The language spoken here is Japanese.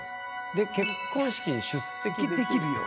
で「結婚式に出席できるよ」。